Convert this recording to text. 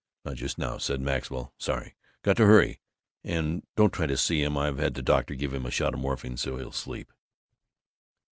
Not just now," said Maxwell. "Sorry. Got to hurry. And don't try to see him. I've had the doctor give him a shot of morphine, so he'll sleep."